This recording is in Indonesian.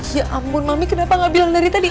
ya ampun mami kenapa nggak bilang dari tadi